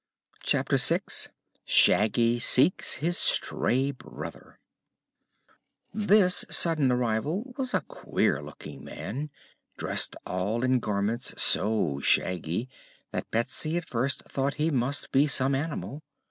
Chapter Six Shaggy Seeks his Stray Brother This sudden arrival was a queer looking man, dressed all in garments so shaggy that Betsy at first thought he must be some animal.